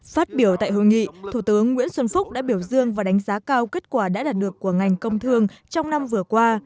phát biểu tại hội nghị thủ tướng nguyễn xuân phúc đã biểu dương và đánh giá cao kết quả đã đạt được của ngành công thương trong năm vừa qua